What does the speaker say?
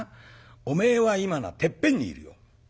おめえは今なてっぺんにいるよ。